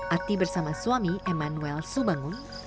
arti bersama suami emmanuel subangun